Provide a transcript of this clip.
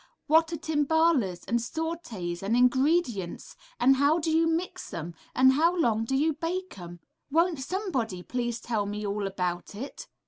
What are timbales and sautés and ingredients, and how do you mix 'em and how long do you bake 'em? Won't somebody please tell me all about it?''